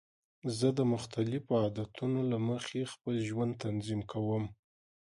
زه د مختلفو عادتونو له مخې خپل ژوند تنظیم کوم.